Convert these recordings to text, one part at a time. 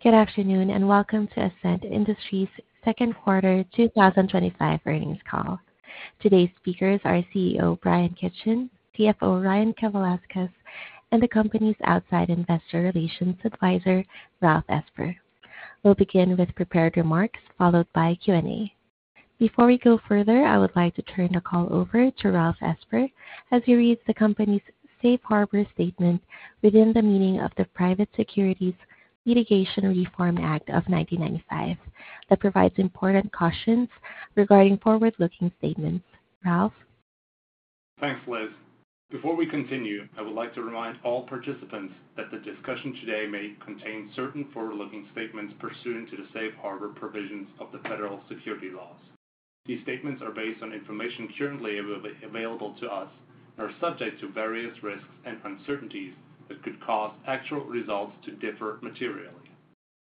Good afternoon and welcome to Ascent Industries Second Quarter 2025 Earnings Call. Today's speakers are CEO J. Bryan Kitchen, CFO Ryan Kavalauskas, and the company's outside investor relations advisor, Ralf Esper. We'll begin with prepared remarks followed by Q&A. Before we go further, I would like to turn the call over to Ralf Esper as he reads the company's safe harbor statement within the meaning of the Private Securities Litigation Reform Act of 1995 that provides important cautions regarding forward-looking statements. Ralf? Thanks, Liz. Before we continue, I would like to remind all participants that the discussion today may contain certain forward-looking statements pursuant to the safe harbor provisions of the federal security laws. These statements are based on information currently available to us and are subject to various risks and uncertainties that could cause actual results to differ materially.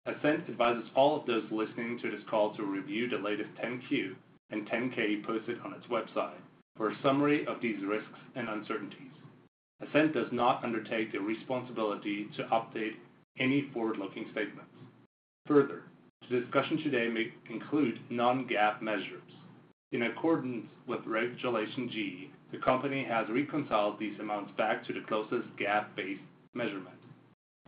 Ascent advises all of those listening to this call to review the latest 10-Q and 10-K posted on its website for a summary of these risks and uncertainties. Ascent does not undertake the responsibility to update any forward-looking statements. Further, the discussion today may include non-GAAP measures. In accordance with Regulation G, the company has reconciled these amounts back to the closest GAAP-based measurement.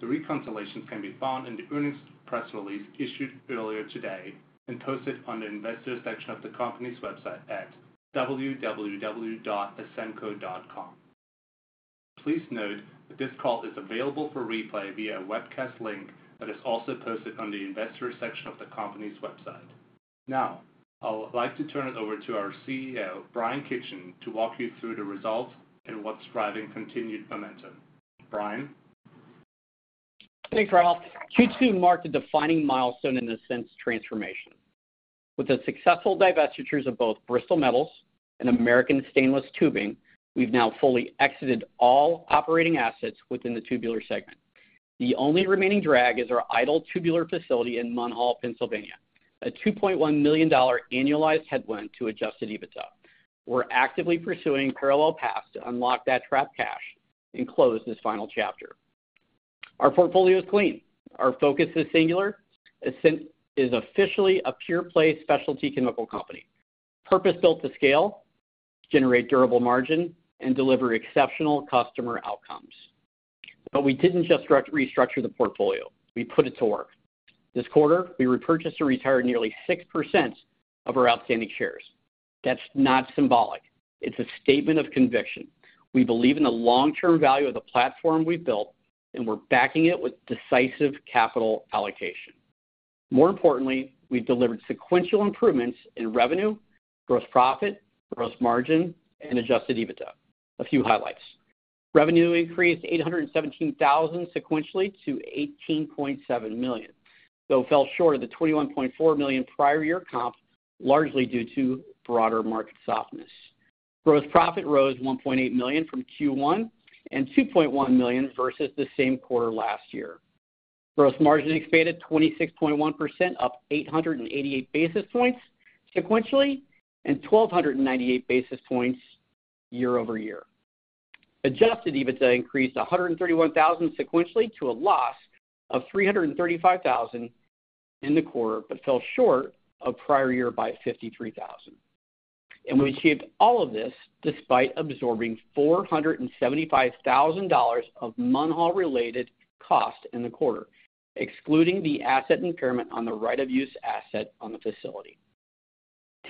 The reconciliations can be found in the earnings press release issued earlier today and posted on the investors section of the company's website at www.ascentco.com. Please note that this call is available for replay via a webcast link that is also posted on the investors section of the company's website. Now, I would like to turn it over to our CEO, J. Bryan Kitchen, to walk you through the results and what's driving continued momentum. Bryan? Thanks, Ralf. Q2 marked a defining milestone in Ascent's transformation. With successful divestitures of both Bristol Metals and American Stainless Tubing, we've now fully exited all operating assets within the tubular segment. The only remaining drag is our idle tubular facility in Munn Hall, Pennsylvania, a $2.1 million annualized headwind to adjusted EBITDA. We're actively pursuing parallel paths to unlock that trapped cash and close this final chapter. Our portfolio is clean. Our focus is singular. Ascent is officially a pure-play specialty chemical company, purpose-built to scale, generate durable margin, and deliver exceptional customer outcomes. We didn't just restructure the portfolio. We put it to work. This quarter, we repurchased and retired nearly 6% of our outstanding shares. That's not symbolic. It's a statement of conviction. We believe in the long-term value of the platform we've built, and we're backing it with decisive capital allocation. More importantly, we've delivered sequential improvements in revenue, gross profit, gross margin, and adjusted EBITDA. A few highlights. Revenue increased $817,000 sequentially to $18.7 million, though fell short of the $21.4 million prior year comp, largely due to broader market softness. Gross profit rose $1.8 million from Q1 and $2.1 million versus the same quarter last year. Gross margin expanded to 26.1%, up 888 basis points sequentially, and 1,298 basis points year over year. Adjusted EBITDA increased $131,000 sequentially to a loss of $335,000 in the quarter, but fell short of prior year by $53,000. We achieved all of this despite absorbing $475,000 of Munn Hall-related cost in the quarter, excluding the asset impairment on the right-of-use asset on the facility.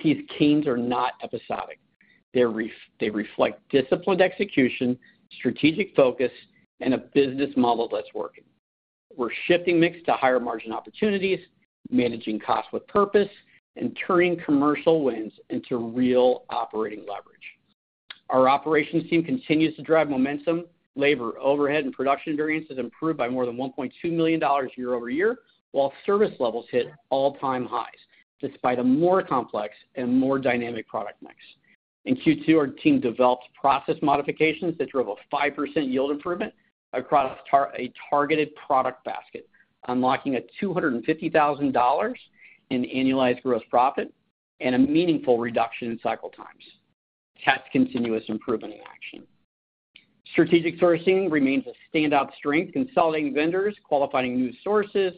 These gains are not episodic. They reflect disciplined execution, strategic focus, and a business model that's working. We're shifting mix to higher margin opportunities, managing costs with purpose, and turning commercial wins into real operating leverage. Our operations team continues to drive momentum. Labor overhead and production variances improved by more than $1.2 million year-over-year, while service levels hit all-time highs despite a more complex and more dynamic product mix. In Q2, our team developed process modifications that drove a 5% yield improvement across a targeted product basket, unlocking $250,000 in annualized gross profit and a meaningful reduction in cycle times. That's continuous improvement in action. Strategic sourcing remains a standout strength, consolidating vendors, qualifying new sources,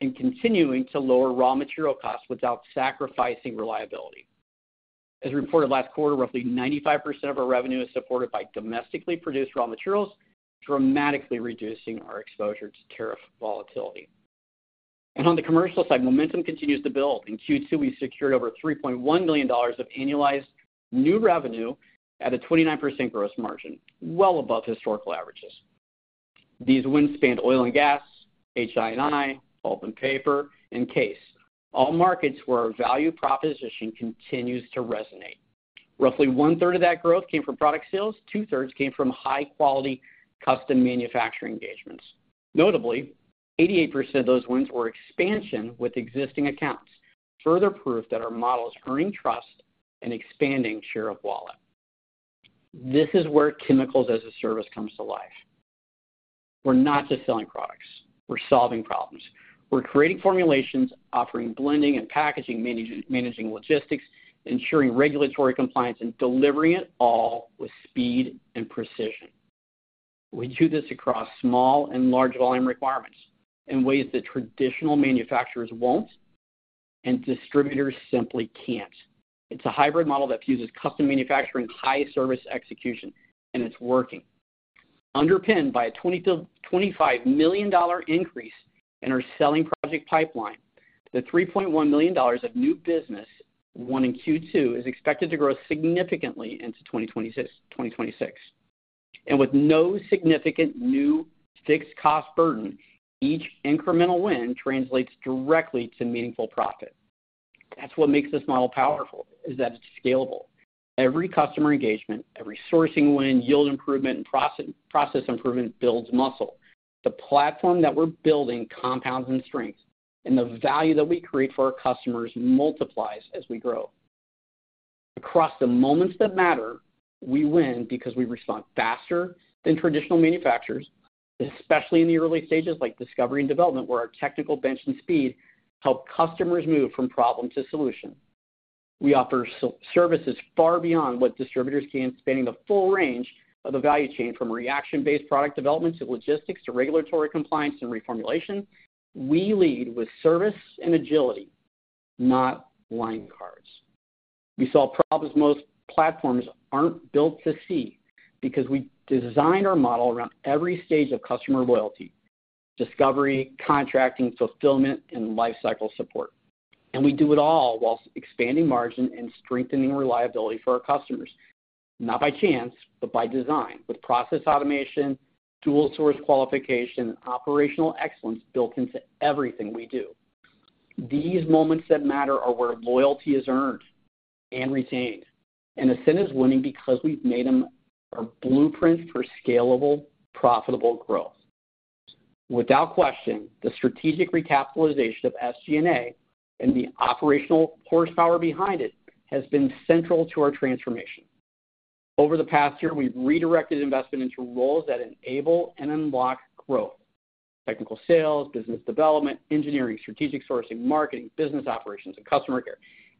and continuing to lower raw material costs without sacrificing reliability. As reported last quarter, roughly 95% of our revenue is supported by domestically produced raw materials, dramatically reducing our exposure to tariff volatility. On the commercial side, momentum continues to build. In Q2, we secured over $3.1 million of annualized new revenue at a 29% gross margin, well above historical averages. These wins spanned oil and gas, HI&I, pulp and paper, and CASE, all markets where our value proposition continues to resonate. Roughly one-third of that growth came from product sales, and two-thirds came from high-quality custom manufacturing engagements. Notably, 88% of those wins were expansion with existing accounts, further proof that our model is earning trust and expanding share of wallet. This is where chemicals as a service comes to life. We're not just selling products. We're solving problems. We're creating formulations, offering blending and packaging, managing logistics, ensuring regulatory compliance, and delivering it all with speed and precision. We do this across small and large volume requirements in ways that traditional manufacturers won't and distributors simply can't. It's a hybrid model that fuses custom manufacturing, high service execution, and it's working. Underpinned by a $25 million increase in our selling project pipeline, the $3.1 million of new business won in Q2 is expected to grow significantly into 2026. With no significant new fixed cost burden, each incremental win translates directly to meaningful profit. That's what makes this model powerful, is that it's scalable. Every customer engagement, every sourcing win, yield improvement, and process improvement builds muscle. The platform that we're building compounds in strength, and the value that we create for our customers multiplies as we grow. Across the moments that matter, we win because we respond faster than traditional manufacturers, especially in the early stages like discovery and development, where our technical bench and speed help customers move from problem to solution. We offer services far beyond what distributors can, spanning the full range of the value chain, from reaction-based product development to logistics to regulatory compliance and reformulation. We lead with service and agility, not line cards. We solve problems most platforms aren't built to see because we design our model around every stage of customer loyalty: discovery, contracting, fulfillment, and lifecycle support. We do it all while expanding margin and strengthening reliability for our customers, not by chance, but by design, with process automation, dual source qualification, and operational excellence built into everything we do. These moments that matter are where loyalty is earned and retained. Ascent is winning because we've made them our blueprint for scalable, profitable growth. Without question, the strategic recapitalization of SG&A and the operational horsepower behind it has been central to our transformation. Over the past year, we've redirected investment into roles that enable and unlock growth: technical sales, business development, engineering, strategic sourcing, marketing, business operations, and customer care.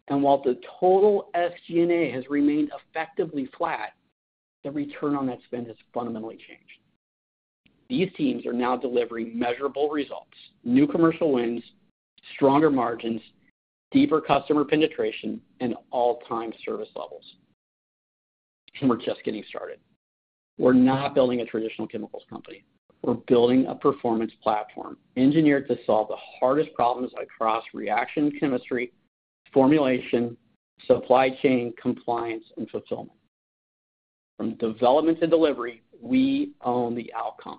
While the total SG&A has remained effectively flat, the return on that spend has fundamentally changed. These teams are now delivering measurable results: new commercial wins, stronger margins, deeper customer penetration, and all-time service levels. We're just getting started. We're not building a traditional chemicals company. We're building a performance platform engineered to solve the hardest problems across reaction chemistry, formulation, supply chain, compliance, and fulfillment. From development to delivery, we own the outcome.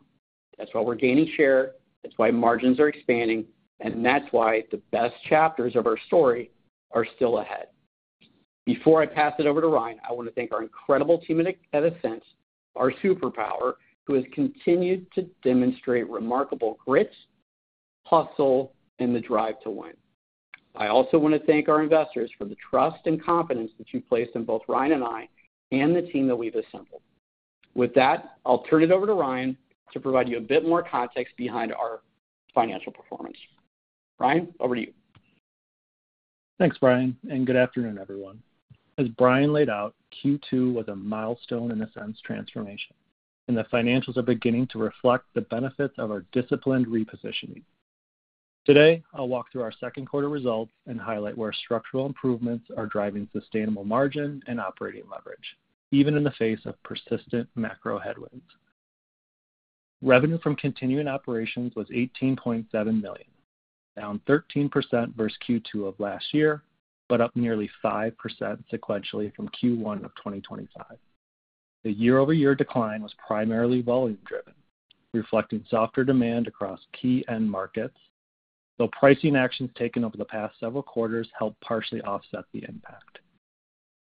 That's why we're gaining share. That's why margins are expanding. That's why the best chapters of our story are still ahead. Before I pass it over to Ryan, I want to thank our incredible team at Ascent, our superpower, who has continued to demonstrate remarkable grit, hustle, and the drive to win. I also want to thank our investors for the trust and confidence that you placed in both Ryan and I and the team that we've assembled. With that, I'll turn it over to Ryan to provide you a bit more context behind our financial performance. Ryan, over to you. Thanks, Bryan, and good afternoon, everyone. As Bryan laid out, Q2 was a milestone in Ascent's transformation, and the financials are beginning to reflect the benefits of our disciplined repositioning. Today, I'll walk through our second quarter results and highlight where structural improvements are driving sustainable margin and operating leverage, even in the face of persistent macro headwinds. Revenue from continuing operations was $18.7 million, down 13% vs Q2 of last year, but up nearly 5% sequentially from Q1 of 2025. The year-over-year decline was primarily volume-driven, reflecting softer demand across key end markets, though pricing actions taken over the past several quarters helped partially offset the impact.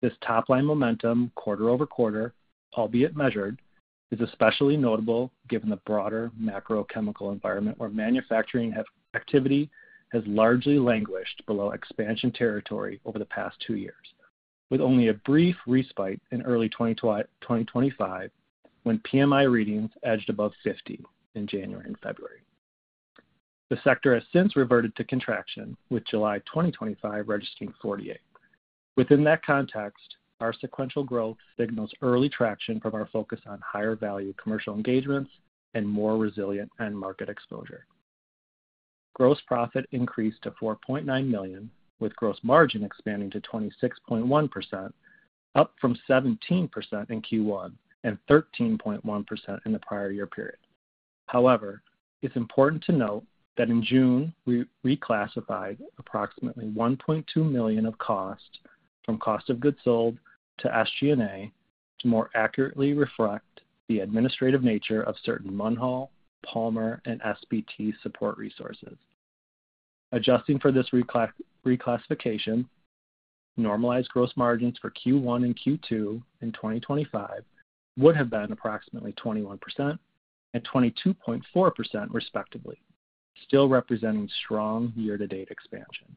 This top-line momentum, quarter-over-quarter, albeit measured, is especially notable given the broader macro chemical environment where manufacturing activity has largely languished below expansion territory over the past two years, with only a brief respite in early 2025 when PMI readings edged above 50 in January and February. The sector has since reverted to contraction, with July 2025 registering 48. Within that context, our sequential growth signals early traction from our focus on higher-value commercial engagements and more resilient end market exposure. Gross profit increased to $4.9 million, with gross margin expanding to 26.1%, up from 17% in Q1 and 13.1% in the prior year period. However, it's important to note that in June, we reclassified approximately $1.2 million of cost from cost of goods sold to SG&A to more accurately reflect the administrative nature of certain Munn Hall, Palmer, and SBT support resources. Adjusting for this reclassification, normalized gross margins for Q1 and Q2 in 2025 would have been approximately 21% and 22.4% respectively, still representing strong year-to-date expansion.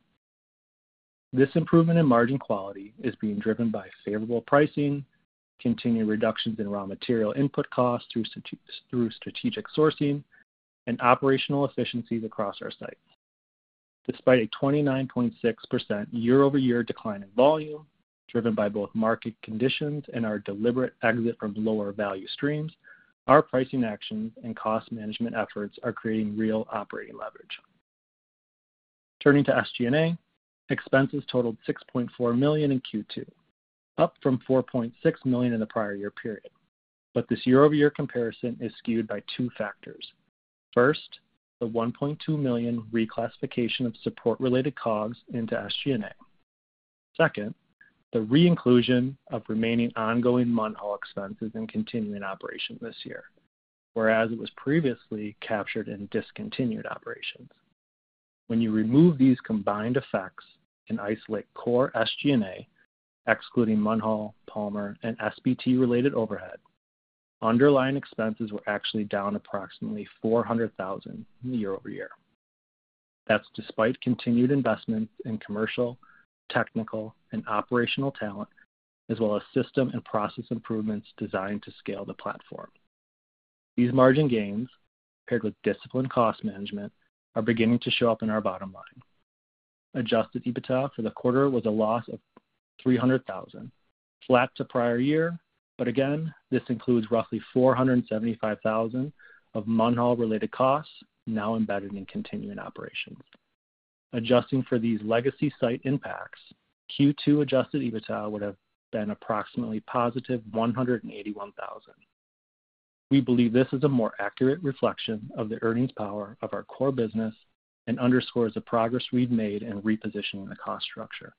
This improvement in margin quality is being driven by favorable pricing, continued reductions in raw material input costs through strategic sourcing, and operational efficiencies across our sites. Despite a 29.6% year-over-year decline in volume, driven by both market conditions and our deliberate exit from lower value streams, our pricing actions and cost management efforts are creating real operating leverage. Turning to SG&A, expenses totaled $6.4 million in Q2, up from $4.6 million in the prior year period. This year-over-year comparison is skewed by two factors. First, the $1.2 million reclassification of support-related COGS into SG&A. Second, the reinclusion of remaining ongoing Munn Hall expenses in continuing operation this year, whereas it was previously captured in discontinued operations. When you remove these combined effects and isolate core SG&A, excluding Munn Hall, Palmer, and SBT-related overhead, underlying expenses were actually down approximately $400,000 year-over-year. That's despite continued investments in commercial, technical, and operational talent, as well as system and process improvements designed to scale the platform. These margin gains, paired with disciplined cost management, are beginning to show up in our bottom line. Adjusted EBITDA for the quarter was a loss of $300,000, flat to prior year, but again, this includes roughly $475,000 of Munn Hall-related costs now embedded in continuing operations. Adjusting for these legacy site impacts, Q2 adjusted EBITDA would have been approximately positive $181,000. We believe this is a more accurate reflection of the earnings power of our core business and underscores the progress we've made in repositioning the cost structure.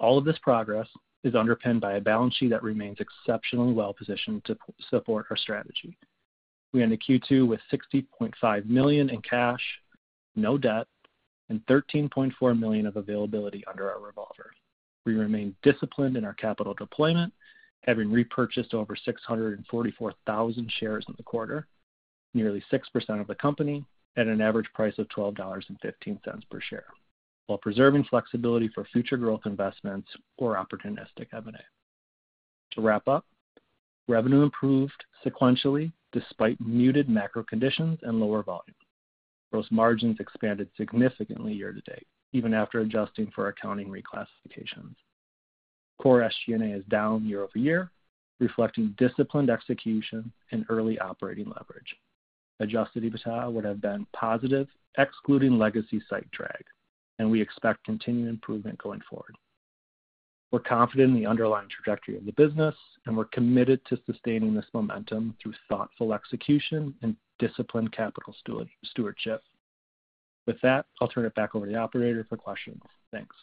All of this progress is underpinned by a balance sheet that remains exceptionally well-positioned to support our strategy. We ended Q2 with $60.5 million in cash, no debt, and $13.4 million of availability under our revolver. We remain disciplined in our capital deployment, having repurchased over 644,000 shares in the quarter, nearly 6% of the company, at an average price of $12.15 per share, while preserving flexibility for future growth investments or opportunistic M&A. To wrap up, revenue improved sequentially despite muted macro conditions and lower volume. Gross margins expanded significantly year to date, even after adjusting for accounting reclassifications. Core SG&A is down year over year, reflecting disciplined execution and early operating leverage. Adjusted EBITDA would have been positive, excluding legacy site drag, and we expect continued improvement going forward. We're confident in the underlying trajectory of the business, and we're committed to sustaining this momentum through thoughtful execution and disciplined capital stewardship. With that, I'll turn it back over to the operator for questions. Thanks.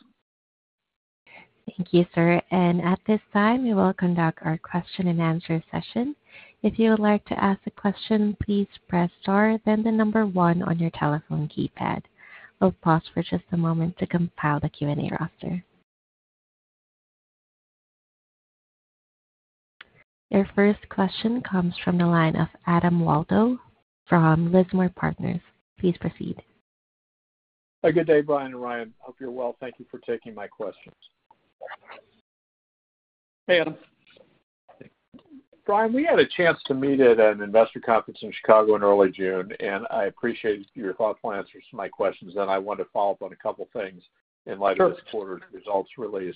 Thank you, sir. At this time, we will conduct our question and answer session. If you would like to ask a question, please press star, then the number one on your telephone keypad. We'll pause for just a moment to compile the Q&A roster. Your first question comes from the line of Adam Waldo from Lismore Partners. Please proceed. A good day, Bryan and Ryan. I hope you're well. Thank you for taking my questions. Bryan, we had a chance to meet at an investor conference in Chicago in early June, and I appreciated your thoughtful answers to my questions, and I wanted to follow up on a couple of things in light of this quarter's results release.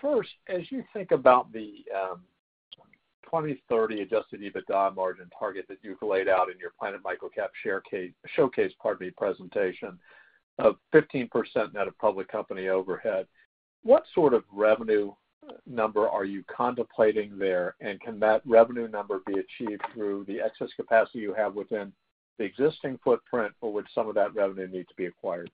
First, as you think about the 2030 adjusted EBITDA margin target that you've laid out in your Planet Micro Cap showcase presentation of 15% net of public company overhead, what sort of revenue number are you contemplating there, and can that revenue number be achieved through the excess capacity you have within the existing footprint, or would some of that revenue need to be acquired?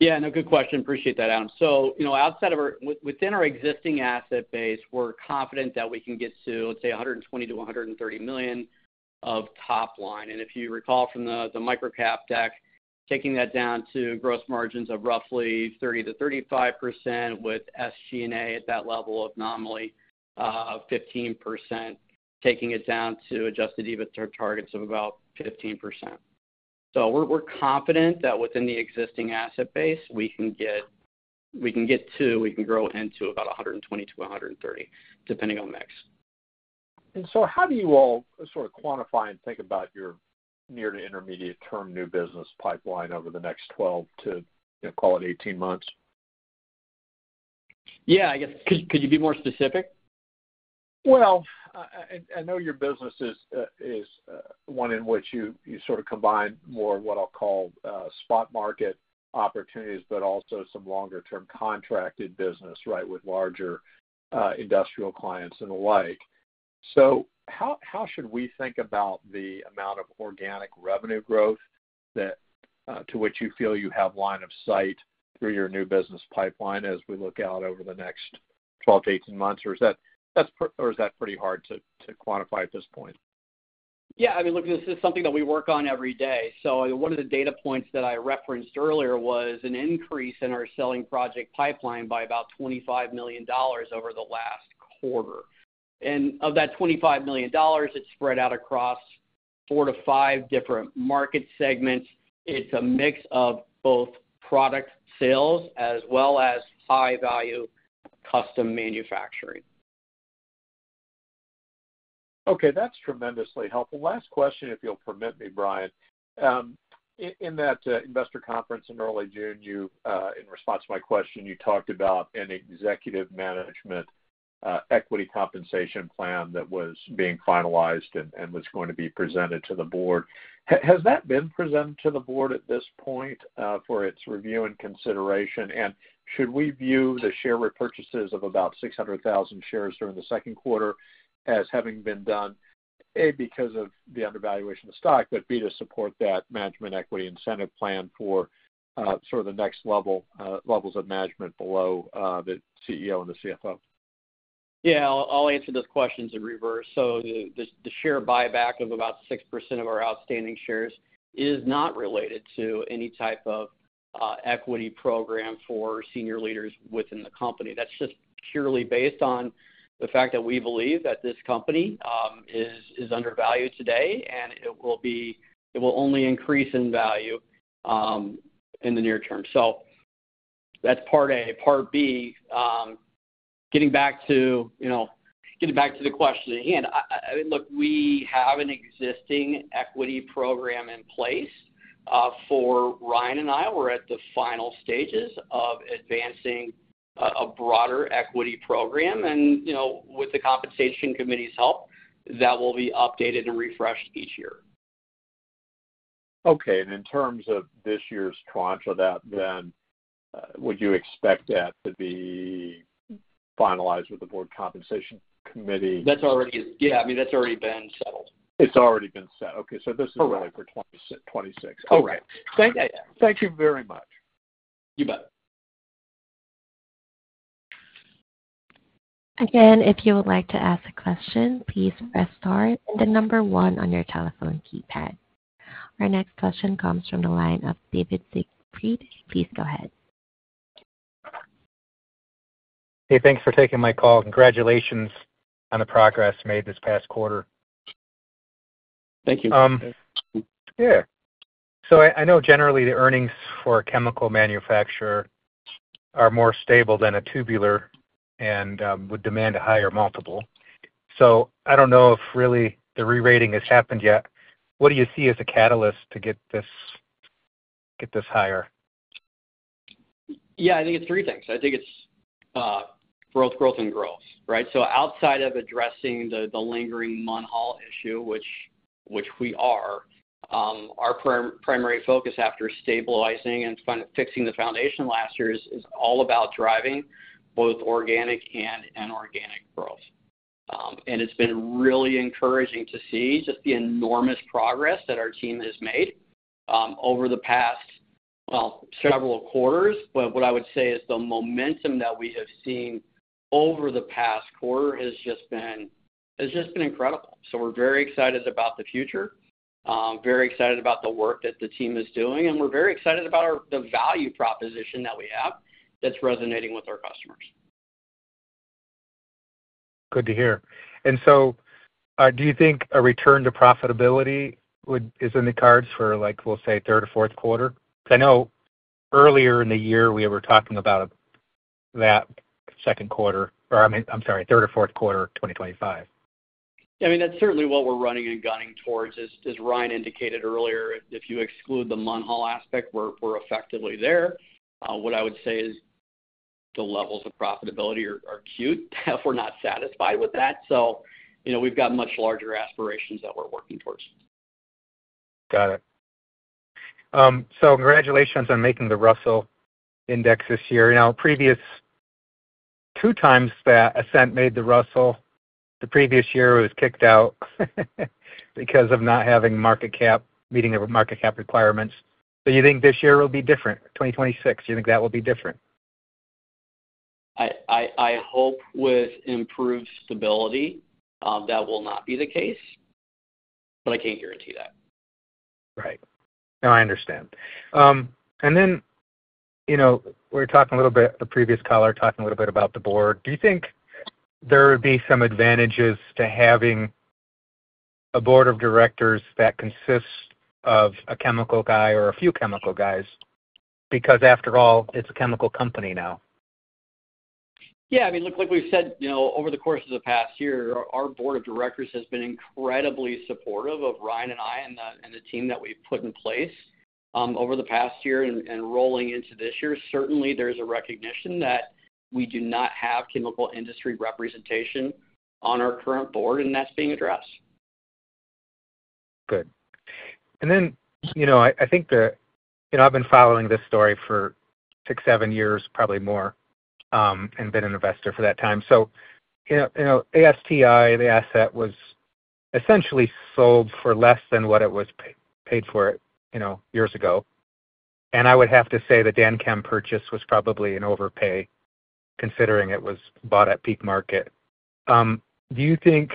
Yeah, no, good question. Appreciate that, Adam. Outside of our, within our existing asset base, we're confident that we can get to, let's say, $120 million-$130 million of top line. If you recall from the micro cap deck, taking that down to gross margins of roughly 30%-35% with SG&A at that level of nominal of 15%, taking it down to adjusted EBITDA targets of about 15%. We're confident that within the existing asset base, we can get to, we can grow into about $120 million-$130 million, depending on the mix. How do you all sort of quantify and think about your near to intermediate term new business pipeline over the next 12 to, you know, call it 18 months? Yeah, I guess, could you be more specific? I know your business is one in which you sort of combine more of what I'll call spot market opportunities, but also some longer-term contracted business, right, with larger industrial clients and the like. How should we think about the amount of organic revenue growth that to which you feel you have line of sight through your new business pipeline as we look out over the next 12-18 months, or is that pretty hard to quantify at this point? Yeah, I mean, look, this is something that we work on every day. One of the data points that I referenced earlier was an increase in our selling project pipeline by about $25 million over the last quarter. Of that $25 million, it's spread out across four to five different market segments. It's a mix of both product sales as well as high-value custom manufacturing. Okay, that's tremendously helpful. Last question, if you'll permit me, Bryan. In that investor conference in early June, you, in response to my question, you talked about an executive management equity compensation plan that was being finalized and was going to be presented to the board. Has that been presented to the board at this point for its review and consideration? Should we view the share repurchases of about 600,000 shares during the second quarter as having been done, A, because of the undervaluation of the stock, but B, to support that management equity incentive plan for sort of the next levels of management below the CEO and the CFO? I'll answer those questions in reverse. The share buyback of about 6% of our outstanding shares is not related to any type of equity program for senior leaders within the company. That's just purely based on the fact that we believe that this company is undervalued today, and it will only increase in value in the near term. That's part A. Part B, getting back to the question at hand. We have an existing equity program in place for Ryan and I. We're at the final stages of advancing a broader equity program, and with the compensation committee's help, that will be updated and refreshed each year. Okay. In terms of this year's tranche of that, would you expect that to be finalized with the Board Compensation Committee? That's already, yeah, that's already been settled. It's already been set. Okay, this is really for 2026. All right, thank you very much. You bet. Again, if you would like to ask a question, please press star, the number one on your telephone keypad. Our next question comes from the line of David Siegfried. Please go ahead. Hey, thanks for taking my call. Congratulations on the progress made this past quarter. Thank you. Yeah. I know generally the earnings for a chemical manufacturer are more stable than a tubular and would demand a higher multiple. I don't know if really the rerating has happened yet. What do you see as a catalyst to get this higher? Yeah, I think it's three things. I think it's growth, growth, and growth, right? Outside of addressing the lingering Munn Hall issue, which we are, our primary focus after stabilizing and fixing the foundation last year is all about driving both organic and inorganic growth. It's been really encouraging to see just the enormous progress that our team has made over the past, well, several quarters. What I would say is the momentum that we have seen over the past quarter has just been incredible. We're very excited about the future, very excited about the work that the team is doing, and we're very excited about the value proposition that we have that's resonating with our customers. Good to hear. Do you think a return to profitability is in the cards for, like, we'll say, third or fourth quarter? I know earlier in the year, we were talking about that second quarter, or, I'm sorry, third or fourth quarter 2025. Yeah, I mean, that's certainly what we're running and going towards. As Ryan indicated earlier, if you exclude the Munn Hall aspect, we're effectively there. What I would say is the levels of profitability are cute, if we're not satisfied with that. You know, we've got much larger aspirations that we're working towards. Got it. Congratulations on making the Russell Index this year. The previous two times that Ascent made the Russell, the previous year was kicked out because of not having market cap, meeting market cap requirements. Do you think this year will be different? 2026, do you think that will be different? I hope with improved stability that will not be the case, but I can't guarantee that. Right. No, I understand. You know, we're talking a little bit, the previous caller talking a little bit about the board. Do you think there would be some advantages to having a board of directors that consists of a chemical guy or a few chemical guys? Because after all, it's a chemical company now. Yeah, I mean, like we've said, over the course of the past year, our Board of Directors has been incredibly supportive of Ryan and I and the team that we've put in place over the past year and rolling into this year. Certainly, there's a recognition that we do not have chemical industry representation on our current Board, and that's being addressed. Good. I think I've been following this story for six, seven years, probably more, and been an investor for that time. ASTI, the asset was essentially sold for less than what it was paid for years ago. I would have to say the DanChem purchase was probably an overpay considering it was bought at peak market. Do you think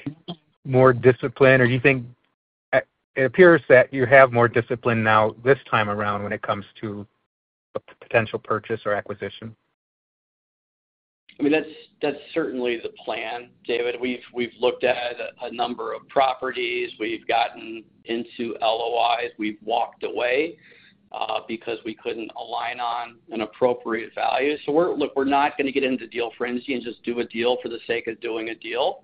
more discipline, or do you think it appears that you have more discipline now this time around when it comes to a potential purchase or acquisition? That's certainly the plan, David. We've looked at a number of properties. We've gotten into LOIs. We've walked away because we couldn't align on an appropriate value. We're not going to get into deal frenzy and just do a deal for the sake of doing a deal.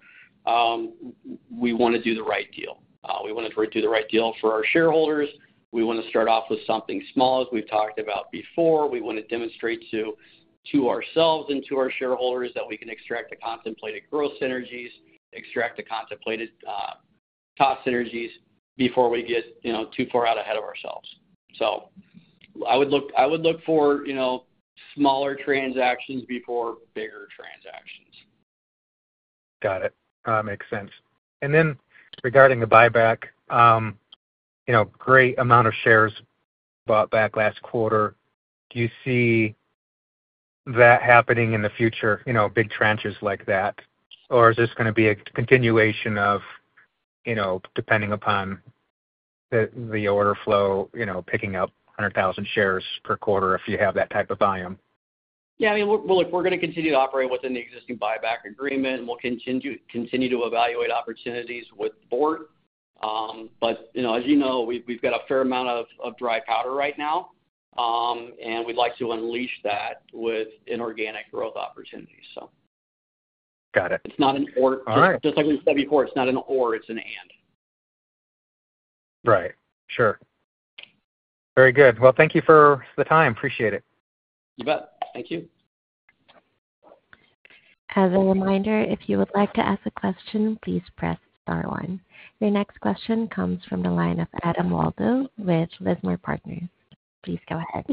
We want to do the right deal. We want to do the right deal for our shareholders. We want to start off with something small, as we've talked about before. We want to demonstrate to ourselves and to our shareholders that we can extract the contemplated growth synergies, extract the contemplated cost synergies before we get too far out ahead of ourselves. I would look for smaller transactions before bigger transactions. Got it. Makes sense. Regarding the buyback, you know, great amount of shares bought back last quarter. Do you see that happening in the future, you know, big tranches like that? Is this going to be a continuation of, you know, depending upon the order flow, you know, picking up 100,000 shares per quarter if you have that type of volume? Yeah, I mean, we're going to continue to operate within the existing buyback agreement, and we'll continue to evaluate opportunities with the board. As you know, we've got a fair amount of dry powder right now, and we'd like to unleash that with inorganic growth opportunities. Got it. It's not an or. All right. Just like we said before, it's not an or, it's an and. Right. Sure. Very good. Thank you for the time. Appreciate it. You bet. Thank you. As a reminder, if you would like to ask a question, please press star one. Your next question comes from the line of Adam Waldo with Lismore Partners. Please go ahead.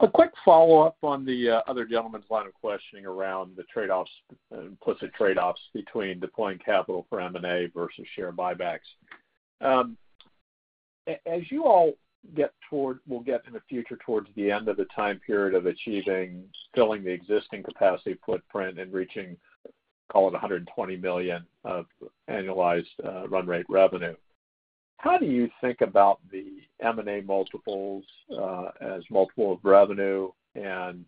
A quick follow-up on the other gentleman's line of questioning around the trade-offs, implicit trade-offs between deploying capital for M&A vs share buybacks. As you all get toward, we'll get in the future towards the end of the time period of achieving, filling the existing capacity footprint and reaching, call it, $120 million of annualized run rate revenue. How do you think about the M&A multiples as multiple of revenue and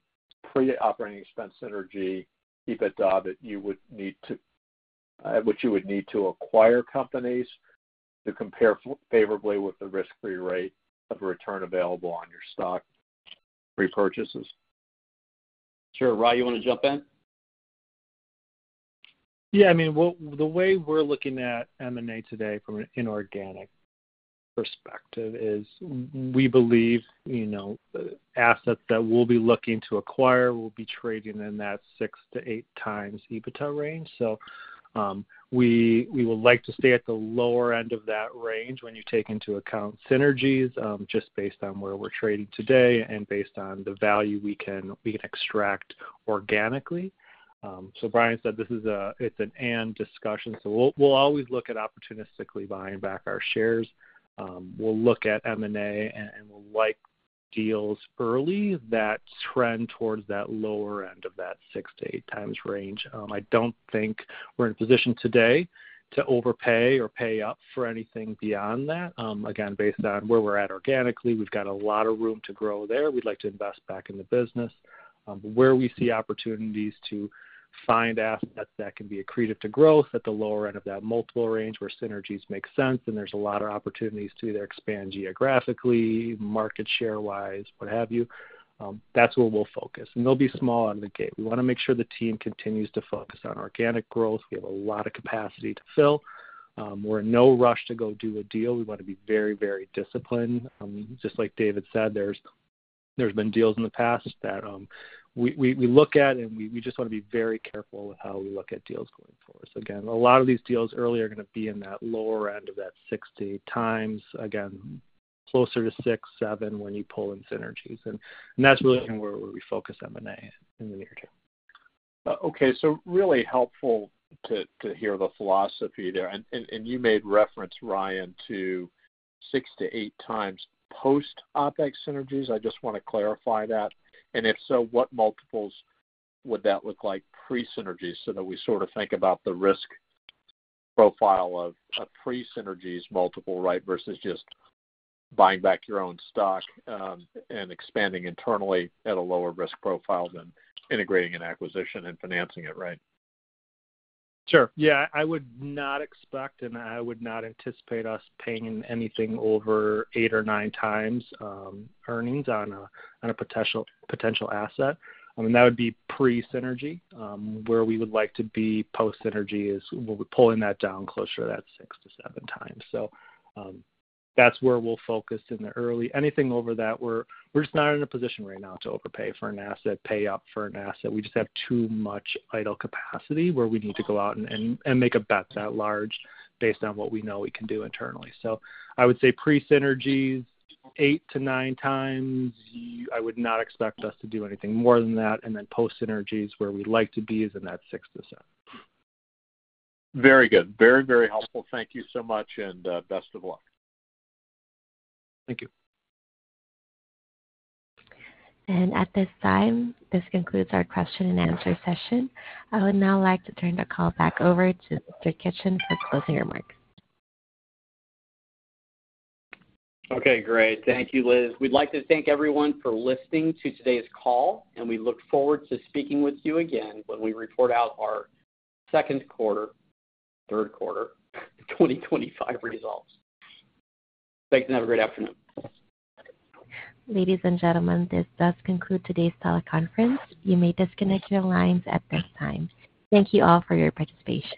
pre-operating expense synergy EBITDA that you would need to, which you would need to acquire companies to compare favorably with the risk-free rate of return available on your stock repurchases? Sure. Ryan, you want to jump in? Yeah, I mean, the way we're looking at M&A today from an inorganic perspective is we believe the assets that we'll be looking to acquire will be trading in that six to eight times EBITDA range. We would like to stay at the lower end of that range when you take into account synergies, just based on where we're trading today and based on the value we can extract organically. As Bryan said, this is an and discussion. We'll always look at opportunistically buying back our shares. We'll look at M&A and we'll like deals early that trend towards that lower end of that six to eight times range. I don't think we're in a position today to overpay or pay up for anything beyond that. Again, based on where we're at organically, we've got a lot of room to grow there. We'd like to invest back in the business where we see opportunities to find assets that can be accretive to growth at the lower end of that multiple range where synergies make sense, and there's a lot of opportunities to either expand geographically, market share-wise, what have you. That's where we'll focus. They'll be small out of the gate. We want to make sure the team continues to focus on organic growth. We have a lot of capacity to fill. We're in no rush to go do a deal. We want to be very, very disciplined. Just like David said, there's been deals in the past that we look at and we just want to be very careful with how we look at deals going forward. Again, a lot of these deals early are going to be in that lower end of that six to eight times. Again, closer to six, seven when you pull in synergies. That's really where we focus M&A in the near term. Okay, really helpful to hear the philosophy there. You made reference, Ryan, to six to eight times post-OpEx synergies. I just want to clarify that. If so, what multiples would that look like pre-synergies so that we sort of think about the risk profile of a pre-synergies multiple, right, versus just buying back your own stock and expanding internally at a lower risk profile than integrating an acquisition and financing it, right? Sure. I would not expect and I would not anticipate us paying anything over eight or nine times earnings on a potential asset. I mean, that would be pre-synergy. Where we would like to be post-synergy is we'll be pulling that down closer to that six to seven times. That's where we'll focus in the early. Anything over that, we're just not in a position right now to overpay for an asset, pay up for an asset. We just have too much idle capacity where we need to go out and make a bet that large based on what we know we can do internally. I would say pre-synergies, eight to nine times, I would not expect us to do anything more than that. Then post-synergies, where we like to be is in that six to seven. Very good. Very, very helpful. Thank you so much, and best of luck. Thank you. At this time, this concludes our question and answer session. I would now like to turn the call back over to Mr. Kitchen for closing remarks. Okay, great. Thank you, Liz. We'd like to thank everyone for listening to today's call, and we look forward to speaking with you again when we report out our second quarter, third quarter, and 2025 results. Thanks, and have a great afternoon. Ladies and gentlemen, this does conclude today's teleconference. You may disconnect your lines at this time. Thank you all for your participation.